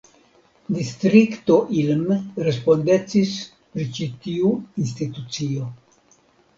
Distrikto Ilm respondecis pri ĉi tiu institucio.